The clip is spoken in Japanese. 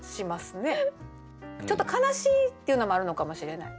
ちょっと悲しいっていうのもあるのかもしれない。